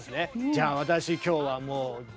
じゃあ私今日はもうよっ！